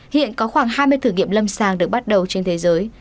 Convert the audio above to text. hiện có khoảng hai mươi thử nghiệm lâm sàng được bắt đầu trên thế giới